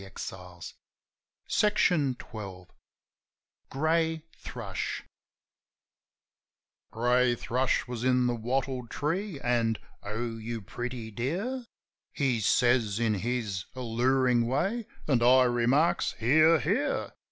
XII: GREY THRUSH Grey Thrush GREY thrush was in the wattle tree, an', "Oh, you pretty dear !" He says in his allurin' way; an' I remarks, "Hear, hear!